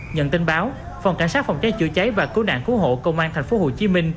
nhận tin báo phòng cảnh sát phòng cháy chữa cháy và cố nạn cố hộ công an tp hcm